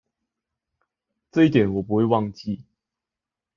這一點我不會忘記